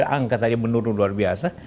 angka tadi menurun luar biasa